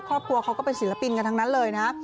ครอบครัวเขาก็เป็นศิลปินกันทั้งนั้นเลยนะ